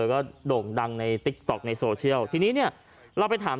ก็โด่งดังในติ๊กต๊อกในโซเชียลทีนี้เนี่ยเราไปถาม